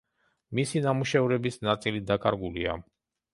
მისი ნამუშევრების ნაწილი დაკარგულია.